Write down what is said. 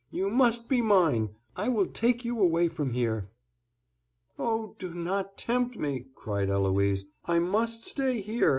you must be mine! I will take you away from here." "Oh, do not tempt me!" cried Eloise. "I must stay here.